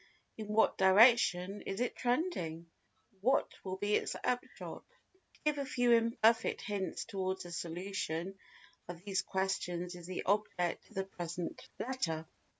In what direction is it tending? What will be its upshot? To give a few imperfect hints towards a solution of these questions is the object of the present letter.